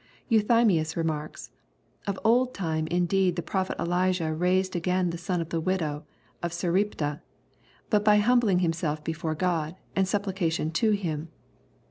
Euthymius remarks, " Of old time indeed the prophet Elijah raised again the son of the widow of Sarepta, but by humbling himself before Gk)d, and supplication to Him.